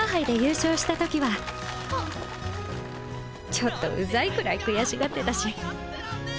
ちょっとウザイくらい悔しがってたし。